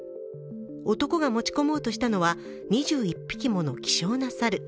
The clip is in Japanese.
男が持ち込もうとしたのは２１匹もの希少な猿。